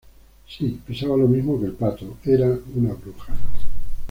Si pesaba lo mismo que el pato, era una bruja.